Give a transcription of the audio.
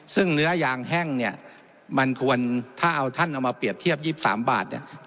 ซึ่งเนื้อยางแห้งเนี่ยมันควรถ้าเอาท่านเอามาเปรียบเทียบ๒๓บาทเนี่ย